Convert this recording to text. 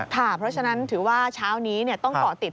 เพราะฉะนั้นถือว่าเช้านี้ต้องเกาะติด